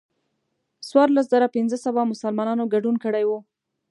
څوارلس زره پنځه سوه مسلمانانو ګډون کړی و.